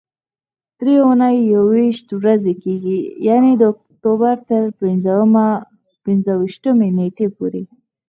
درې اونۍ یويشت ورځې کېږي، یعنې د اکتوبر تر پنځه ویشتمې نېټې پورې.